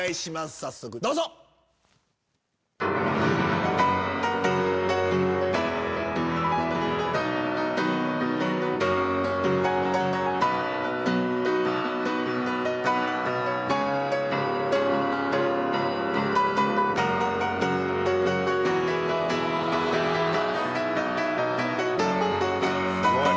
早速どうぞ！お！